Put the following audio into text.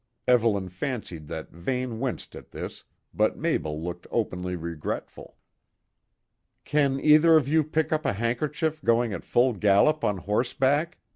Evelyn fancied that Vane winced at this, but Mabel looked openly regretful. "Can either of you pick up a handkerchief going at full gallop on horseback?"